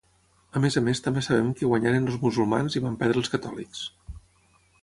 A més a més també sabem que guanyaren els musulmans i van perdre els catòlics.